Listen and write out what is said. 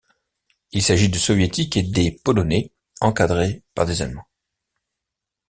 Il s'agit de Soviétiques et des Polonais encadrés par des Allemands.